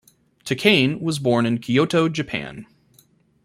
Takane was born in Kyoto, Japan.